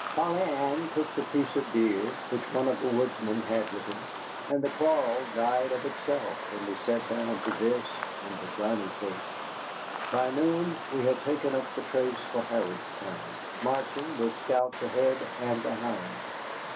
Polly Ann cooked a piece of a deer which one of the woodsmen had with him, and the quarrel died of itself when we sat down to this and the johnny cake. By noon we had taken up the trace for Harrodstown, marching with scouts ahead and behind.